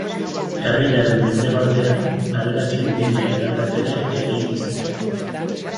Herriaren mendebaldean aberatsen villa ederrak ere eraiki ziren.